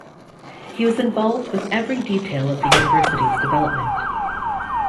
He was involved with every detail of the university's development.